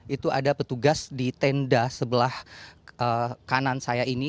itu ada petugas di tenda sebelah kanan saya ini